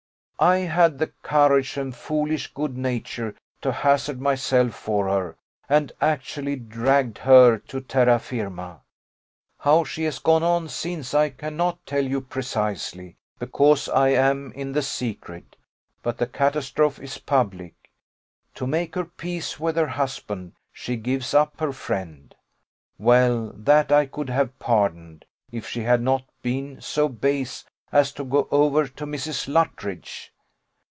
I had the courage and foolish good nature to hazard myself for her, and actually dragged her to terra firma: how she has gone on since I cannot tell you precisely, because I am in the secret; but the catastrophe is public: to make her peace with her husband, she gives up her friend. Well, that I could have pardoned, if she had not been so base as to go over to Mrs. Luttridge.